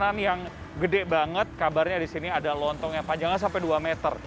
makanan yang gede banget kabarnya di sini ada lontong yang panjangnya sampai dua meter